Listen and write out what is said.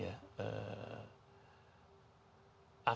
jadi bagi komunitas peneliti ya